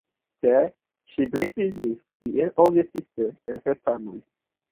There, she briefly lived with an older sister and her family.